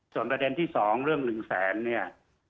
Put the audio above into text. ส่วนประเด็นที่สองเรื่องหนึ่งแสนเนี่ย